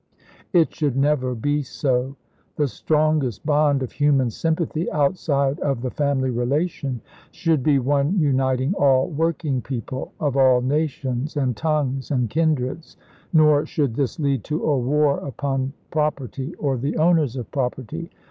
It should never be so. The strongest bond of human sympathy, outside of the family relation, should be one uniting all working people, of all nations and tongues and kindreds. Nor should this lead to a war upon property or the owners of property.